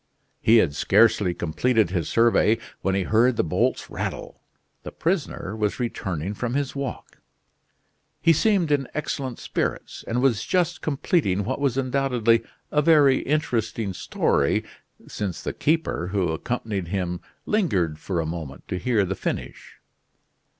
He had scarcely completed his survey, when he heard the bolts rattle: the prisoner was returning from his walk. He seemed in excellent spirits, and was just completing what was, undoubtedly, a very interesting story, since the keeper who accompanied him lingered for a moment to hear the finish.